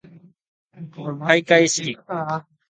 かいかいしき